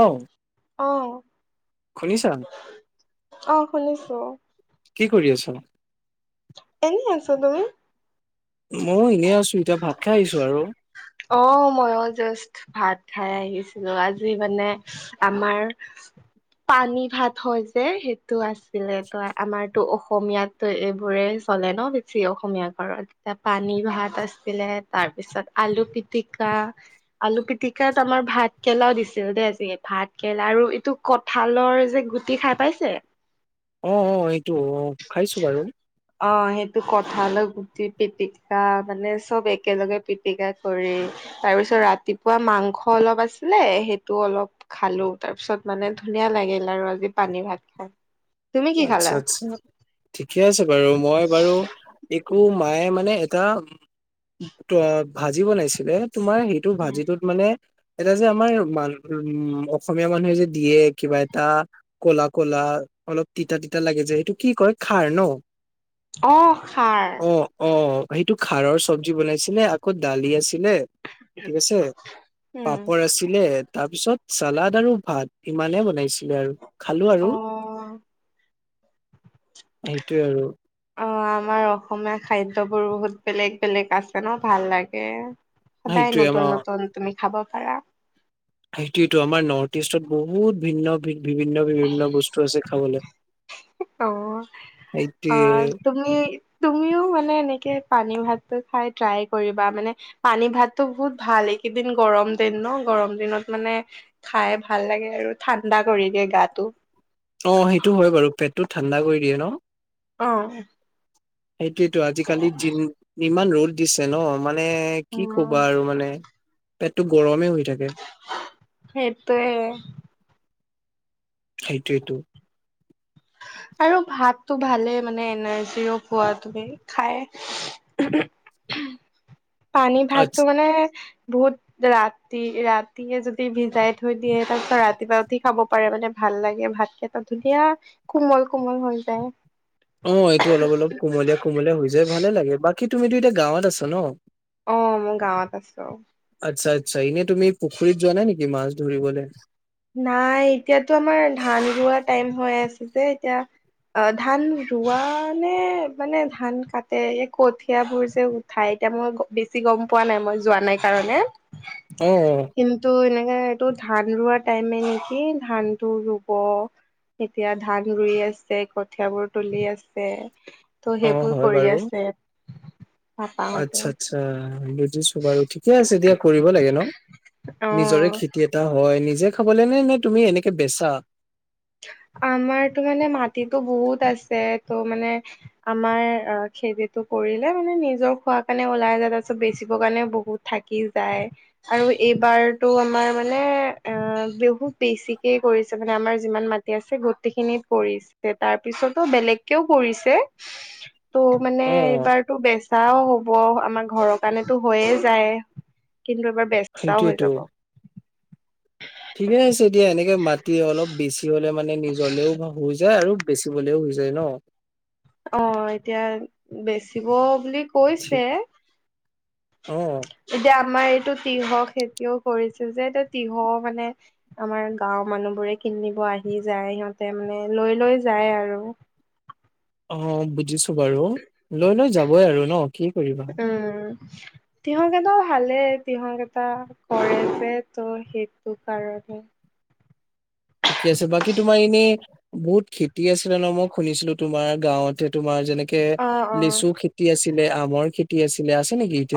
অও। অ, অ শুনিছো। কি কৰি আছ? এনেই আছো তুমি? ময়ো এনেই আছো এতিয়া ভাত খাই আহিছো আৰু অ মইও জাষ্ট ভাত খাই আহিছিলো আজি মানে আমাৰ পানী ভাত হয় যে সেইটো আছে। [unintelligible] আমাৰতো অসমীয়াতটো এইবোৰে চলে ন বেছি অসমীয়া ঘৰত এতিয়া পা পানী ভাত আছিলে তাৰ পিছত আলু পিটিকা আলু পিটিকাত আমাৰ ভাত কেলাও দিছিল দেই আজি ভাত কেৰেলা আৰু এইটো কঁঠালৰ যে গুটি খাই পাইছে? অ অ এইটো অ খাইছো বাৰু। অ সেইটো কঁঠালৰ গুতি পিটিক অ মানে চব একেলগে পিটিকা কৰি তাৰ পিছত ৰাতিপুৱা মাংস অলপ আছি লে সেইটো অলপ খালো তাৰপিছত মানে ধুনীয়া লাগিল আৰু আজি পানী ভাত খাই। তুমি কি আচ্ছা খালা আচ্ছা ঠিকে আছে বাৰু মই বাৰু একো মায়ে মানে অ উ ভাজি বনাইছিলে তোমাৰ সেইটো ভাজিটোত মানে এটা যে আমাৰ মানু উ অসমীয়া মানুহে যে দিয়ে কিবা এটা ক'লা ক'লা অলপ তিতা তিতা লাগে যে সেইটো কি কয় খাৰ ন? অহ খাৰ। অ অ সেইটো খাৰৰ চব্জি বনাইছিলে আকৌ দালি আছি দিলে ঠিক আছে উম পাপৰ আছিলে তাৰপিছত চালাদ আৰু ভাত ইমানে বনাইছিলে আৰু খালো আৰু। অ সেইটোৱে আৰু। অ আমাৰ অসমীয়া খাদ্যবোৰ বহুত বেলেগ বেলেগ আছে ন ভাল লাগে। সদায় সেইটোৱে আমাৰ নতুন নতুন তুমি খাব পাৰা। সেইটোয়েটো আমাৰ নৰ্থ ইষ্টত বহুত ভিন্ন ভিন্ন বিভিন্ন বিভিন্ন বস্তু আছে খাবলে। অ অ তুমি তুমিও মানে এনেকে পানী ভাতটো খাই ট্ৰাই কৰিবা মানে পানী ভাতটো বহুত ভাল এইকেইদিন গৰম দে ন গৰম দিনত মানে খাই ভাল লাগে আৰু ঠাণ্ডা কৰি দিয়ে গাটো। অ সেইটো হয় বাৰু পেটটো ঠাণ্ডা কৰি দিয়ে ন। অ সেইটোয়েতো আজিকালি যি যিমান ৰ'দ দিছে ন মানে কি কবা উম আৰু মানে! পেটতটো গৰমে হৈ থাকে সেইটোৱে সেইটোৱেতো৷ আৰু ভাতটো ভালে মানে এনাৰ্জিও পোৱা তুমি খাই৷ পানী আ ভাতটো মানে বহুত ৰাতি-ৰাতি য়ে যদি ভিজাই থৈ দিয়ে তাৰপিছত ৰাতিপুৱা উঠি খাব পাৰে মানে ভাত ভাল লাগে ভাত কেইটা ধুনীয়া কোমল কোমল হৈ যায়৷ অ এইটো অলপ-অলপ কোমলীয়া-কোমলীয়া হৈ যায় ভালে লাগে৷ বাকী তুমিতো এতিয়া গাঁৱত আছা ন? আহ মই গাঁৱত আছো৷ আচ্ছা-আচ্ছা এনে তুমি পুখুৰীত যোৱা নাই নেকি মাছ ধৰিবলৈ? নাই এতিয়াতো আমাৰ ধান ৰোৱা টাইম হৈ আছে যে এতিয়া- অ ধান ৰোৱা নে মানে ধান কাটে এই কঠিয়াবোৰ যে উঠাই এতিয়া মই বেছি গম পোৱা নাই মই যোৱা নাই কাৰণে৷ অ কিন্তু এনেকে এইটো ধান ৰোৱাত টাইমে নেকি ধান টো ৰোৱ এতিয়া ধান ৰুই আছে কঠিয়াবোৰ তুলি আছে৷ ত' অ সেইবোৰ কৰি আছে৷ পাপাহঁতে আচ্ছা-আচ্ছা বুজিছো বাৰু ঠিকে আছে দিয়া কৰিব লাগে ন? নিজৰে অ খেতি এটা হয়, নিজে খাবলে নে নে তুমি এনেকে বেচা? আমাৰ তো মানে মাটিটো বহুত আছে টো মানে আমাৰ খেতিটো কৰিলে মানে নিজৰ খোৱাৰ কাৰণে ওলাই যায় তাৰ পিছত বেচিবৰ কাৰণে বহুত থাকি যায় আৰু এইবাৰতটো আমাৰ মানে অ বহুত বেছিকেই কৰিছে মানে আমাৰ যিমান মাটি আছে গোটেইখিনিত কৰিছে তাৰপিছতো বেলেগকেও কৰিছে৷ ত' মানে অ এইবাৰতো বেচাও হ'ব আমাৰ ঘৰৰ কাৰণেতো হৈয়ে যায়৷ কিন্তু এবাৰ বেচাও হৈ সেইটোয়েতো যাব ঠিকে আছে দিয়া এনেকে মাটি অলপ বেছি হ'লে মানে নিজলেও হৈ যায় আৰু বেচিবলেও হৈ যায় ন৷ অ এতিয়া বেচিব বুলি ঠিক কৈছে৷ অ এতিয়া আমাৰ এইটো তিহ খেতিও কৰিছে যে এয়া তিহও মানে আমাৰ গাওৰ মানুহ বোৰে কি কিনিব আহি যায় সিহঁতে মানে লৈ লৈ যায় আৰু৷ অ বুজিছো বাৰু লৈ লৈ যাবই আৰু ন কি কৰিবা৷ [unintelligible] তিহ কেইটা ভালেই তিহ বেপাৰ কৰে যে ত' সেইটো কাৰণে৷ [inaudible] ঠিকে আছে বাকী তোমাৰ এনেই বহুত খেতি আছিলে ন মই শুনিছিলো তোমাৰ গাঁৱতে তোমাৰ৷ যেনেকে অ', অ', লেচু খেতি আছিলে আমৰ খেতি আছিলে আ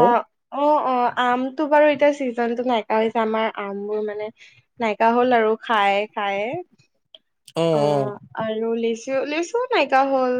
অ-অ-অ আমটো বাৰু এতিয়া চিজনতো নাইকা হৈছে আমাৰ আমবোৰ মানে নাইকা হল আৰু খায় খায়ে৷ অ আৰু লেচু লে লিচু নাইকা হ'ল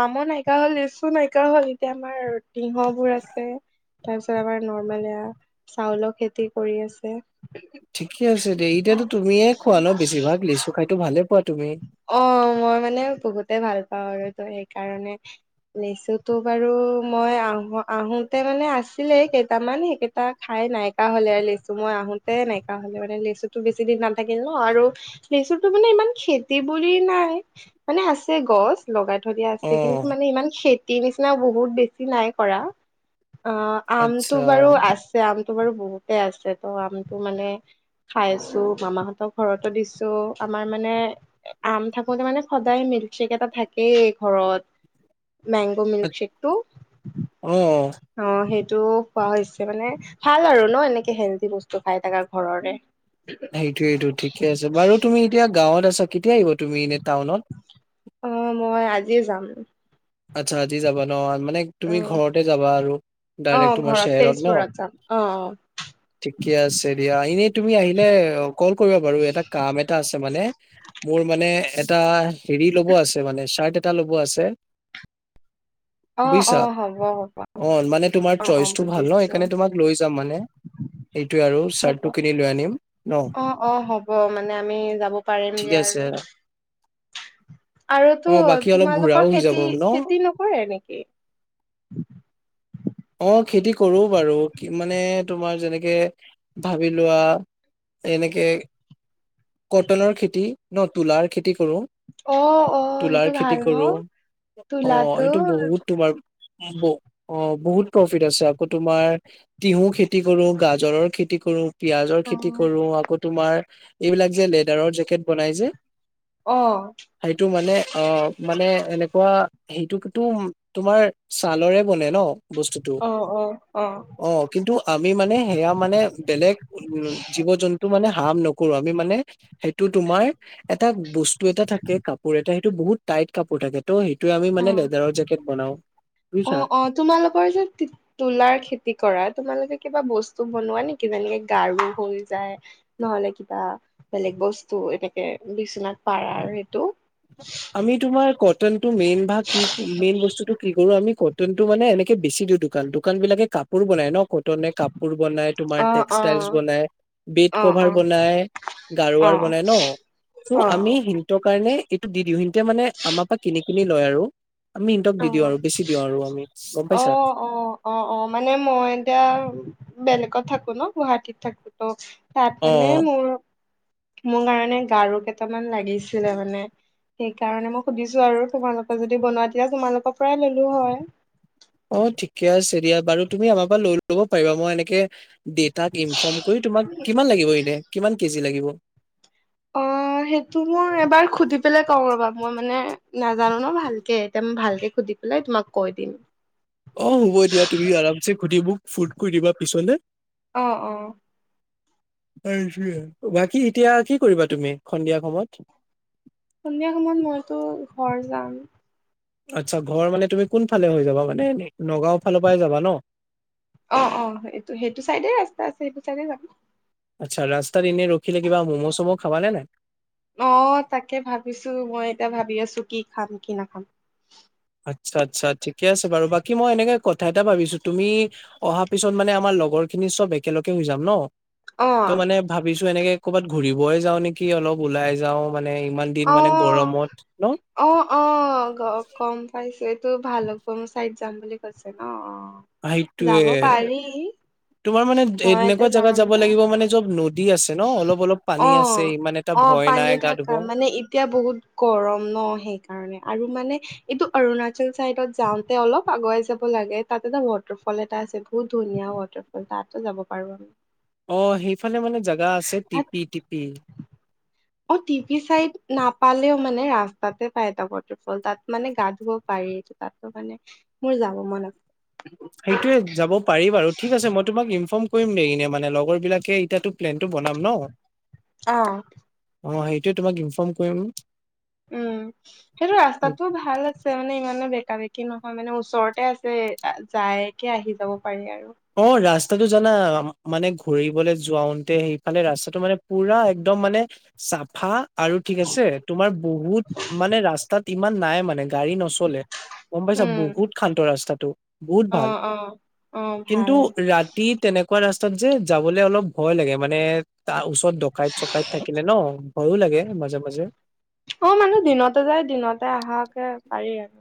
আমো নাইকা হ'ল লিচু নাইকা হল এতিয়া আমাৰ তিয়ঁহ বোৰ আছে তাৰপিছত আমাৰ নৰ্মেল এয়া চাউলৰ খেতি কৰি আছে৷ ঠিকে আছে দে এতিয়াতো তুমিয়ে খোৱা ন বেছিভাগ লেচু খাইতো ভালে পোৱা? তুমি অ মই মানে বহুতে ভাল পাওঁ আৰু ত সেইকাৰণে৷ লিচুতো বাৰু মই আহো আহোতে মানে আছিলে কেইটামান সেইকেইটা খাই নাইকা হ'লে আৰু লেচু মই আহোতে নাইকা হলে মানে লেচুতো বেছি দিন নাথাকিল ন, আৰু লেচু টো মানে ইমান খেত খেতি বুলি নাই, মানে আছে গছ লগাই থৈ দিয়া আছে অ কিন্তু মানে ইমান খেতি তি নিচিনা বহুত বেছি নাই কৰা অ, আমটো আচ্ছা বাৰু আছে আম টো বাৰু বহুতে আছে ত' আমটো মানে খাই আছো মামাহঁতৰ ঘৰতো দিছো আমাৰ মানে আম থাকোতে মানে সদায় মিল্কশ্বেক এটা থাকেই ঘৰত মেংগো আ- মিল্কশেকটো অ অ সেইটো খোৱা হৈছে মানে, ভাল আৰু ন এনেকে হেল্ডি বস্তু খাই থাকা ঘৰৰে সেইটোৱেইটো ঠিকে আছে, বাৰু তুমি এতিয়া গাঁৱত আছা কেতিয়া আহিব তুমি এনে টাউনত? অ, মই আজিয়ে যাম আচ্ছা আজি যাবা ন, মানে তুমি উম ঘৰতে যাবা আৰু অ ডাইৰেক্ট তোমাৰ ঘৰত চেৰত ন, তেজপুৰত যাম অ ঠিকে আছে দিয়া এনে তুমি আহিলে কল কৰিবা বাৰু এটা কাম এটা আছে মানে মোৰ মানে এটা হেৰি ল'ব আছে মানে চাৰ্ট এটা ল'ব আছে [inaudible] বুজিছা হ'ব হ'ব অ মানে তোমাৰ অ অ চইচটো ভাল ন, বুজিছো সেইকাৰণে তোমাক লৈ যাম মানে এইটোয়ে আৰু হব, চাৰ্টটো কিনি লৈ আনিম ন অ, অ, হ'ব মানে আমি যাব পাৰিম ঠিকে দিয়া আছে অ আৰুতো বাকী অলপ ঘূৰাও তোমালোকৰ হৈ যাব খেতি ন খেতি নকৰে নেকি? অ খেতি কৰো বাৰু কি মানে তোমাৰ যেনেকে ভাবি লোৱা এনেকে কটনৰ খেতি ন, তুলাৰ খেতি কৰো অ, অ, তুলাৰ সেইটো খেতি ভাল ন? কৰো অ, তোলাটো এইটো বহুত তোমাৰ ব অ বহুত প্ৰফিট আছে আকৌ তোমাৰ তিহু খেতি কৰো গাজৰৰ খে খেতি কৰো পিয়াজৰ অ খেতি কৰো আকৌ তোমাৰ এইবিলাক যে লেডাৰৰ জেকেট বনাই যে৷ অহ। সেইটো মানে অ মানে এনেকুৱা সেইটো তোমাৰ ছালৰে বনে ন? বস্তুটো অ, অ। অ কিন্তু আমি মানে সেয়া মানে বেলেগ উম জীৱ- জন্তু মানে কাম নকৰো আমি মানে সেইটো তোমাৰ, এটা বস্তু এটা থাকে কাপোৰ এটা সেই এইটো বহুত টাইট কাপোৰ থাকে' টো, সেইটোৱে আমি মানে অ লেডাৰৰ জেকেট বনাওঁ অ, অ, তোমালোকৰ যে তোলাৰ খেতি কৰা তোমালোকে কিবা বস্তু বনোৱা নেকি যেনেকে গাৰু হৈ যায়, নহলে কিবা বেলেগ বস্তু এনেকে বিচনাত পাৰাৰ সেইটো আমি তোমাৰ কটনটো মেইন ভাগ কি মেইন বস্তুতটো কি কৰো আমি কটনটো মানে এনেকে বেছি দিওঁ দোকান- দোকান বিলাকে কাপোৰ বনাই ন কটনে কাপোৰ বনাই, তোমাৰ অ অ টেক্সটাইলছ বনাই, বেড অ কভাৰ অ বনায় গাৰু অ ওৱাৰ বনাই ন, অ অ চ' আমি সেইটো কাৰণে এইটো দি দিওঁ হিতে মানে আমাৰ পৰা কিনি- কিনি লয় আৰু সিন্তক দি দিওঁ আৰু বেছি দিওঁ আৰু আমি গম অ, পাইছা অ, অ, অ, মানে মই এতিয়া বেলেগ থাকো ন গুৱাহাটীত থাকো ত, তাত অ মানে মোৰ মোৰ কাৰণে গাৰু কেইটামান লাগিছিলে মানে সেইকাৰণে মই সুধিছো আৰু তোমালোকে যদি বনোৱা তেতিয়া তোমালোকৰ পৰাই ললো হয় অ ঠিকে আছে দিয়া বাৰু তুমি আমাৰ পৰা লৈ ল'ব পাৰিবা মই এনেকে দেতাক ইনফৰ্ম কৰি তোমাক, কিমান লাগিব এনে কিমান কেজি লাগিব? অ। অ সেইটো মই এবাৰ সুধি পেলাই কওঁ ৰবা মই মানে নাজানো ন ভালকে এতিয়া মই ভালকে সুধি পেলাই তোমাক কৈ দিম৷ অ হ'ব দিয়া তুমি আৰামচে সুধি মোক ফোন কৰি দিবা পিছলে৷ অ-অ [unintelligible] বাকী এতিয়া কি কৰিবা তুমি সন্ধিয়া সময়ত? সন্ধিয়া সময়ত মইতো ঘৰ যাম। আচ্ছা ঘৰ মানে তুমি কোনফালে হৈ যাবা, মানে নগাঁও ফালৰ পৰাই যাবা ন? অ'-অ' এইটো সেইটো চাইডে ৰাস্তা আছে সেইটো চাইডে যাম। আচ্ছা, ৰাস্তাত এনে ৰখিলে কিবা ম'ম' চমো খাব নে নাই? অহ' তাকে ভাবিছো, মই এতিয়া ভাবি আছো কি খাম কি নাখাম। আচ্ছা-আচ্ছা, ঠিকে আছে বাৰু বাকী মই এনেকে কথা এটা ভাবিছো, তুমি অহা পিছত মানে আমাৰ লগৰ খিনি চব একেলগে হৈ যাম ন। অ ত' মানে ভাবিছো, এনেকে কৰ'বাত ঘুৰিবই যাও নেকি অলপ ওলাই যাওঁ। মানে ইমান দিন মানে গৰমত ন অ'-অ'-অ' গ কম পাইছো এতো ভালুকপুং চাইড যাম বুলি কৈছে ন, অ' যাব সেইটোয়ে পাৰি, তোমাৰ মানে মই এতে এনেকুৱা জেগাত যাম যাব ত লাগিব মানে য'ত নদী আছে ন অলপ অলপ পানী আছে অ' ইমান এটা অ' ভয় নাই পানী গা ধুব থাকা মানে এতিয়া বহুত গৰম ন? অ সেইকাৰণে, আৰু মানে এইটো অৰুণাচল চাইডত যাওঁতে অলপ আগুৱাই যাব লাগে, তাত এটা ৱাটাৰ ফল এটা আছে বহুত ধুনীয়া। ৱাটাৰফল তাতো যাব পাৰো আমি। অ' সেইফালে মানে জাগা আছে তাত টিপি-টিপি, অ', টিভি চাইড নাপালেও মানে ৰাস্তাতে পায়, এটা ৱাটাৰফল তাত মানে গা ধুব পাৰি, তাতো মানে মোৰ যাব মন আছে। সেইটোৱে যাব পাৰি বাৰু, ঠিক আছে মই তোমাক ইনফৰ্ম কৰিম নে এনে মানে লগৰ বিলাকে এতিয়া টো প্ৰেন বনাম ন? অ', অ সেইটোৱে তোমাক ইনফৰ্ম কৰিম। উম' সেইটো ৰাস্তাতটোও ভাল আছে মানে, ইমানো বেকা-বেকি নহয় মানে, ওচৰতে আছে যায়কে আহি যাব পাৰি আৰু। অ ৰাস্তাটো জানা মানে ঘূৰিবলৈ যাওঁতে, সেইফালে ৰাস্তাটো মানে পুৰা একদম মানে চাপ ফা আৰু ঠিক আছে, তোমাৰ বহুত মানে ৰাস্তাত ইমান নাই মানে গাড়ী নচ নচলে, গম পাইছা বহুত শান্ত ৰাস্তাটো। বহুত ভাল অ'-অ'-অ' কিন্তু ৰাতি তেনেকুৱা ৰাস্তাত যে, যাবলে অলপ ভয় লাগে মানে ডকাইত-চকাইত থাকিলে ন ভয়ো লাগে মাজে-মাজে। অ মানুহ দিনতে যায় দিনতে অহাকে পাৰি আৰু।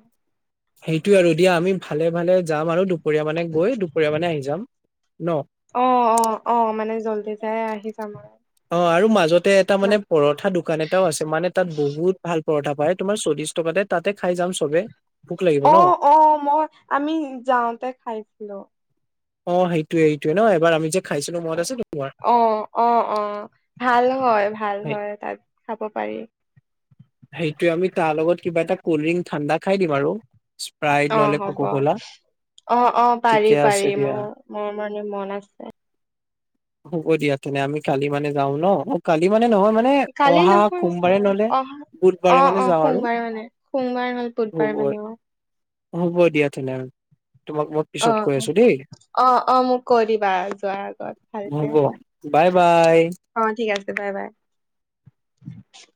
সেইটোয়ে আৰু দিয়া, আমি ভালে-ভালে যাম আৰু দুপৰীয়া মানে গৈ দুপৰীয়া মানে আহি যাম। ন অ' অ' অহ মানে জল্দি যাই আহি যাম আৰু। অ আৰু মাজতে এটা মানে পৰঠা দোকান এটাও আছে, মানে তাত বহুত ভাল পৰঠা পায়, তোমাৰ চল্লিশ টকাতে তাতে খাই যাম চবে। ভোক লাগিব ন অ'অ' মই আমি যাওঁতে খাইছিলো। অ' সেইটোয়ে এইটোয়ে ন এবাৰ আমি যে খাইছিলো মনত আছে তোমাৰ অ-অ-অ ভাল হয়। ভাল সেই- হয়, তাত খাব পাৰি। সেইটোয়ে আমি তাৰ লগত কিবা এটা কল্ড ড্ৰিংক ঠাণ্ডা খাই দিম আৰু। স্প্ৰাইট অ নহলে হ'ব। কোকো কলা অ'-অ' ঠিকে আছে পাৰি-পাৰি, দিয়া মোৰ-মোৰ মানে মন আছে। হ'ব দিয়া তেনে আমি কালি মানে যাও ন, কালি মানে মানে নহয় মানে, অহা সোমবাৰে ন'হলে। বুধবাৰে মানে অ-অ যাওঁ আৰু সোমবাৰ মানে সোমবাৰ হ'লে বুধবাৰ হ'ব মানে অ। হ'ব দিয়া তেনেহ'লে, তোমাক মই অ পিছত কৈ আছো দেই। অ অ মোক কৈ দিবা যোৱাৰ আগত ভালকে, হ'ব বাই বাই অ ঠিক আছে। Bye bye.